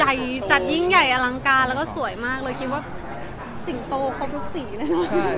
ใหญ่จัดยิ่งใหญ่อลังการแล้วก็สวยมากเลยคิดว่าสิงโตครบทุกสีเลยเนอะ